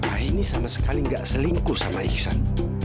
aini sama sekali gak selingkuh sama iksan